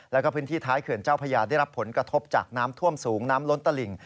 แล้วก็พื้นที่ท้ายเขื่อนเจ้าพญาได้รับผลกระทบจากน้ำท่วมสูงน้ำล้นตลิ่ง